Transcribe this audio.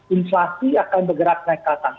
inflasi akan bergerak naik ke atas